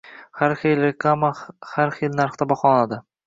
Har xil reklama har xil narxda baholanadi